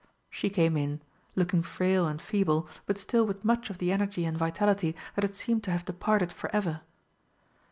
She came in, looking frail and feeble, but still with much of the energy and vitality that had seemed to have departed for ever.